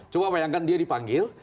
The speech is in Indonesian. coba bayangkan dia dipanggil